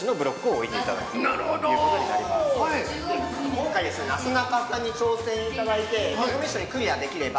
◆今回なすなかさんに挑戦していただいてミッションクリアできれば